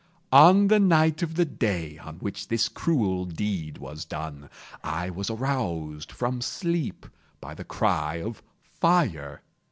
On the night of the day on which this cruel deed was done, I was aroused from sleep by the cry of fire.